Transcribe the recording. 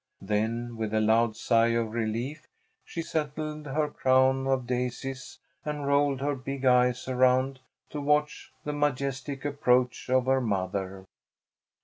Then with a loud sigh of relief she settled her crown of daisies and rolled her big eyes around to watch the majestic approach of her mother.